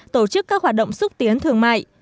tổ chức các hoạt động xúc tiến thương mại